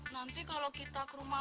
nanti kalau kita ke rumah